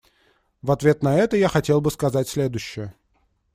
В ответ на это я хотел бы сказать следующее.